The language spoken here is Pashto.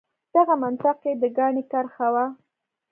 دغه منطق یې د کاڼي کرښه وه.